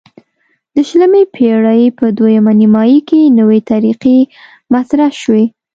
د شلمې پیړۍ په دویمه نیمایي کې نوې طریقې مطرح شوې.